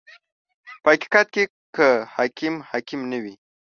• په حقیقت کې که حاکم حاکم نه وي.